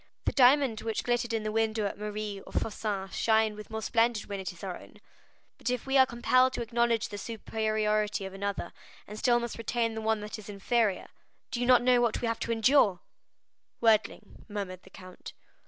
The diamond which glittered in the window at Marlé's or Fossin's shines with more splendor when it is our own; but if we are compelled to acknowledge the superiority of another, and still must retain the one that is inferior, do you not know what we have to endure?" "Worldling," murmured the count.